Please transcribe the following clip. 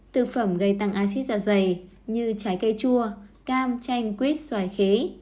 thực phẩm gây tăng acid dạ dày như trái cây chua cam chanh quýt xoài khế